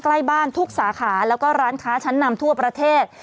ใกล้บ้านทุกสาขาแล้วก็ร้านค้าชั้นนำทั่วประเทศ